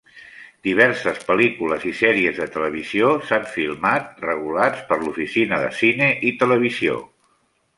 Diverses pel·lícules i sèries de televisió s'han filmat, regulats per l'Oficina de Cine i Televisió.